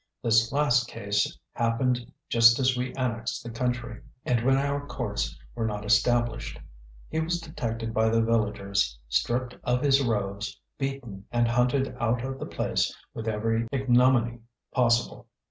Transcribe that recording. This last case happened just as we annexed the country, and when our courts were not established. He was detected by the villagers, stripped of his robes, beaten, and hunted out of the place with every ignominy possible.